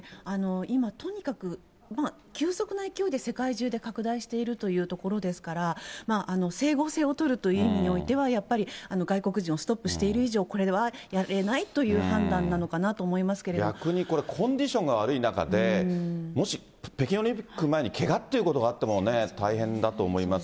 今、とにかく急速な勢いで世界中で拡大しているというところですから、整合性を取るという意味においては、やっぱり外国人をストップしている以上、これはやれないという判断なのかなと思いますけれど逆にこれ、コンディションが悪い中で、もし北京オリンピック前にけがっていうことがあってもね、大変だと思います。